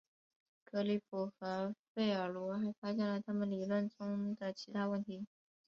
格里普和费尔罗还发现了他们理论中的其他问题。